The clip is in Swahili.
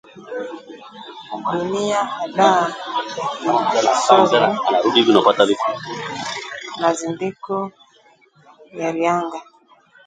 Dunia Hadaa ya Kisovi na Zinduko ya Ryanga